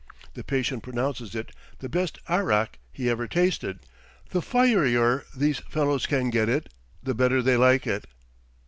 The patient pronounces it the 'best arrack' he ever tasted; the firier these fellows can get it the better they like it."